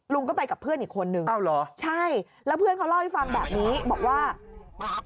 ลุงก็ไปกับเพื่อนอีกคนนึงใช่แล้วเพื่อนเขาเล่าให้ฟังแบบนี้บอกว่าเป้าในไหน